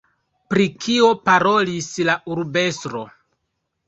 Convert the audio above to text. Pri kio parolis la urbestro?